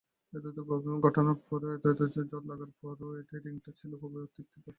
এতো এতো ঘটনার পরও, এতো এতো জট লাগাবোর পরেও এটা এন্ডিংটা ছিলো খুবই তৃপ্তিকর।